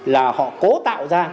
là họ cố tạo ra